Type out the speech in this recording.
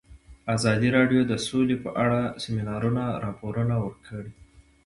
ازادي راډیو د سوله په اړه د سیمینارونو راپورونه ورکړي.